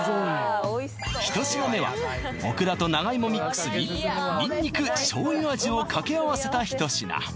１品目はオクラと長芋ミックスににんにく醤油味を掛け合わせた一品